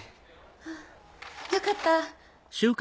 あよかった。